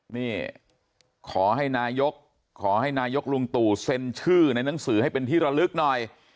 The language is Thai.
นี่ขอให้นายกขอให้นายกลุงตู่เซ็นชื่อในหนังสือให้เป็นที่ระลึกหน่อย